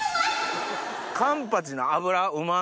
カンパチの脂うま味